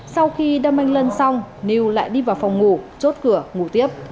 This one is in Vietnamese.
sau khi đâm anh lân xong lưu lại đi vào phòng ngủ chốt cửa ngủ tiếp